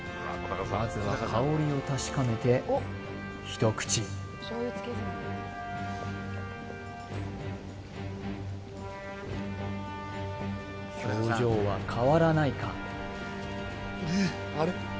まずは香りを確かめて一口表情は変わらないか？